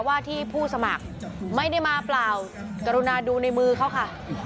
ว่าที่ผู้สมัครไม่ได้มาเปล่ากรุณาดูในมือเขาค่ะ